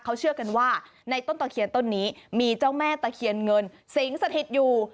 เขาเชื่อกันว่าในต้นตะเคียนต้นนี้มีเจ้าแม่ตะเคียนเงินสิงสถิตอยู่